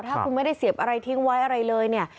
ถ้าคุณไม่ได้เสียบอะไรทิ้งไว้อะไรเลยเนี่ย